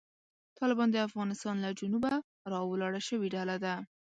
طالبان د افغانستان له جنوبه راولاړه شوې ډله ده.